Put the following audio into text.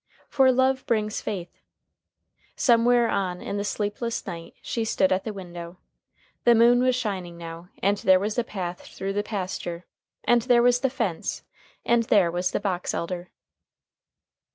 For love brings faith. Somewhere on in the sleepless night she stood at the window. The moon was shining now, and there was the path through the pasture, and there was the fence, and there was the box elder.